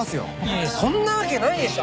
いやそんなわけないでしょ。